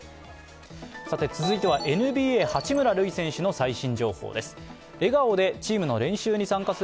続いてはＮＢＡ・八村塁選手の最新情報です。